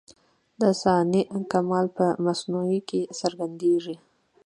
د صانع کمال په مصنوعي کي څرګندېږي.